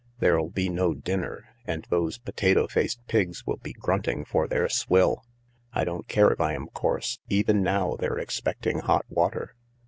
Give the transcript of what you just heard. There'll be no dinner* And those potato faced pigs will be grunting for their swill. I don't care if I am coarse. Even now they're expecting hot water.